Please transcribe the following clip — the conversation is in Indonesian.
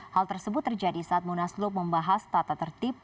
hal tersebut terjadi saat munaslup membahas tata tertib